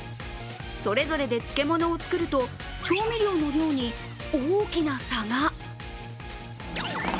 それぞれで漬物を作ると調味料の量に大きな差が。